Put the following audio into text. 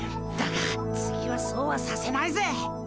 だが次はそうはさせないぜ！